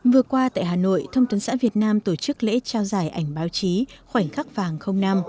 vừa qua tại hà nội thông tấn xã việt nam tổ chức lễ trao giải ảnh báo chí khoảnh khắc vàng năm